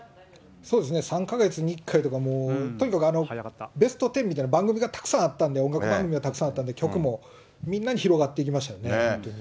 そうですね、３か月に１回とかもう、とにかくベストテンみたいな番組がたくさんあったんで、音楽番組がたくさんあったんで、曲もみんなに広がっていきましたよね、本当に。